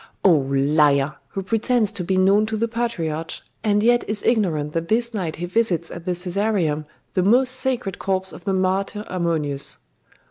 'Oh, liar! who pretends to be known to the patriarch, and yet is ignorant that this night he visits at the Caesareum the most sacred corpse of the martyr Ammonius!